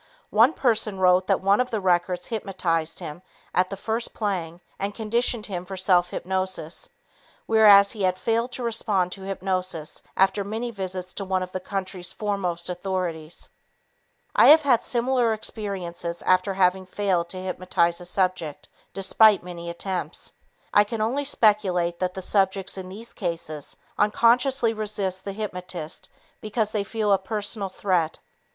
One person wrote that one of the records hypnotized him at the first playing and conditioned him for self hypnosis, whereas he had failed to respond to hypnosis after many visits to one of the country's foremost authorities. I have had similar experiences after having failed to hypnotize a subject despite many attempts. I can only speculate that the subjects in these cases unconsciously resist the hypnotist because they feel a personal threat.